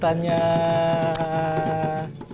terima kasih bapak atas penyambutannya